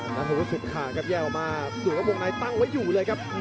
นั่นคือสุดขาดครับแย่ออกมาดูแล้ววงนายตั้งไว้อยู่เลยครับ